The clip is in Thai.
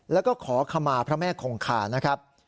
แล้วก็ขอขมาพระแม่คงคานะครับ